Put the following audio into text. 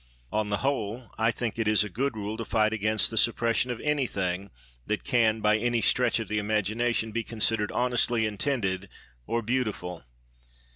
On the whole I think it is a good rule to fight against the suppression of anything that can by any stretch of the imagination be considered honestly intended or beautiful.